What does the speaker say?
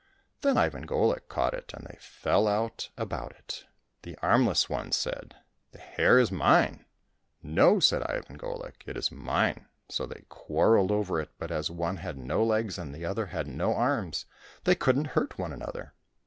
Then Ivan Golik caught it and they fell out about it. The armless one said, " The hare is mine !"—" No," said Ivan Golik, " it is mine !" So they quarrelled over it, but as one had no legs and the other had no arms, they couldn't hurt one another.